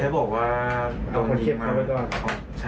ไม่ได้บอกว่าเอาคนเจ็บเข้าไปก่อน